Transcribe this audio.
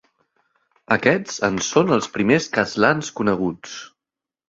Aquests en són els primers castlans coneguts.